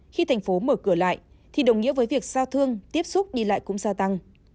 khi thành phố mở cửa lại thì đồng nghĩa với việc giao thương tiếp xúc đi lại cũng gia tăng